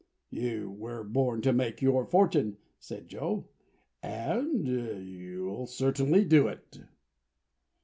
"You were born to make your fortune," said Joe, "and you'll certainly do it."